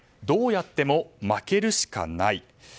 どうやっても負けるしかない。